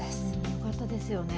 よかったですよね。